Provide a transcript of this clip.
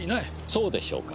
そうでしょうか。